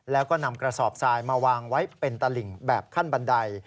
แล้วก็นำกระสอบทรายมาวางไว้เป็นตลิ่งแบบขั้นบันได